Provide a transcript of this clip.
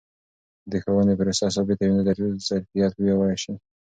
که د ښوونې پروسه ثابته وي، نو ظرفیت به پیاوړی سي.